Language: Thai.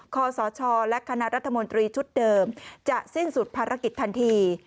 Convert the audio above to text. ขอสชและคณะรัฐมนตรีชุดเดิมจะสิ้นสุดภารกิจทันที